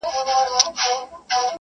ایا ژبه خپلواکي ساتي؟